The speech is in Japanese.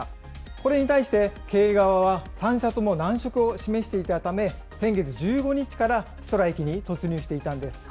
これについて経営側は３社とも難色を示していたため、先月１５日からストライキに突入していたんです。